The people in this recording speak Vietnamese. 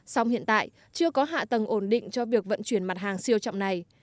song hiện tại chưa có hạ tầng ổn định cho việc vận chuyển mặt hàng siêu trọng này